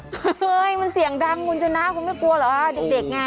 เฮ้ยมันเสียงดังคุณชนะคุณไม่กลัวเหรอเด็กไง